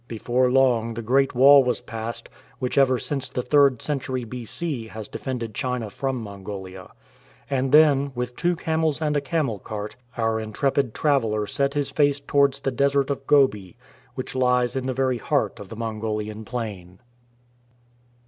Before long the Great Wall was passed, which ever since the third century b.c, has defended China from Mongolia. And then, with tv/o camels and a camel cart, our intrepid traveller set his face towards the Desert of Gobi, which lies in the very heart of the Mongolian plain.